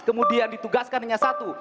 kemudian ditugaskan hanya satu